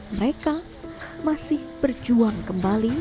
mereka masih berjuang kembali